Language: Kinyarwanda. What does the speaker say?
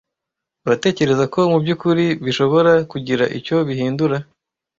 Uratekereza ko mubyukuri bishobora kugira icyo bihindura?